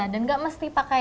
dan tidak mesti pakaian